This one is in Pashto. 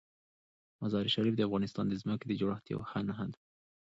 مزارشریف د افغانستان د ځمکې د جوړښت یوه ښه نښه ده.